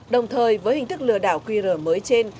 đồng thời với hình thức lừa đảo qr mới trên